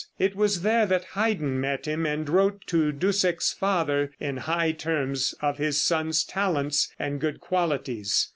It was there that Haydn met him, and wrote to Dussek's father in high terms of his son's talents and good qualities.